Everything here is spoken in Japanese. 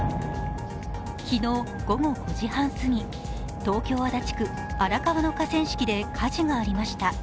昨日午後５時半すぎ、東京・足立区荒川の河川敷で火事がありました。